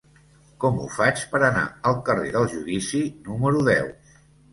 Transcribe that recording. Com ho faig per anar al carrer del Judici número deu?